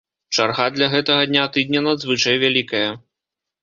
Чарга для гэтага дня тыдня надзвычай вялікая.